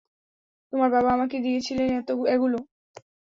তোমার বাবা আমাকে দিয়েছিলেন ওগুলো।